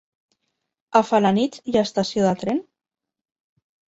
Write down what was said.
A Felanitx hi ha estació de tren?